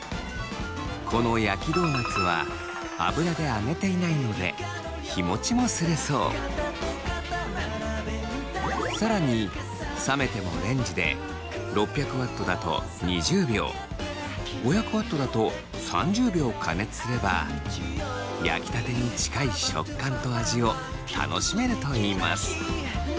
この焼きドーナツは更に冷めてもレンジで６００Ｗだと２０秒５００Ｗだと３０秒加熱すれば焼きたてに近い食感と味を楽しめるといいます。